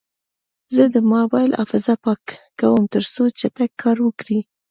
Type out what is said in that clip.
زه د موبایل حافظه پاکوم، ترڅو چټک کار وکړي.